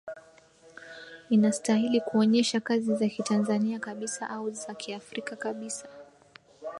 inastahili kuonyesha kazi za kitanzania kabisa au za kiafrika kabisa